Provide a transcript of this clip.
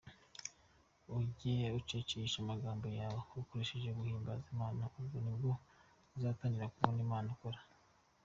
Ujye ucecekesha amaganya yawe ukoresheje guhimbaza Imana, ubwo ni bwo uzatangira kubona Imana ikora.